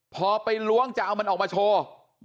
พอไปล้วงจะเอามันออกมาโชว์